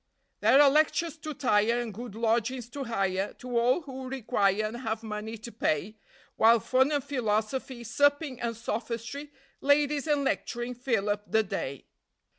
There are lectures to tire, and good lodgings to hire, To all who require and have money to pay; While fun and philosophy, supping and sophistry, Ladies and lecturing fill up the day.